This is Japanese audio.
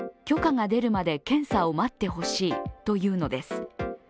許可が出るまで検査を待ってほしいというのです。